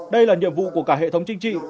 đây là nhiệm vụ của cả hệ thống chính trị